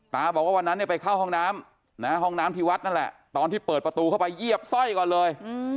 ที่วัดนั่นแหละตอนที่เปิดประตูเข้าไปยีบสร้อยก่อนเลย